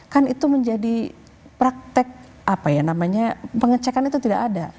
kan itu menjadi praktek apa ya namanya pengecekan itu tidak ada